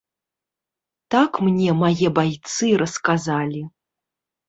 Так мне мае байцы расказалі.